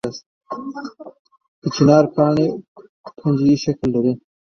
د چنار پاڼې پنجه یي شکل لري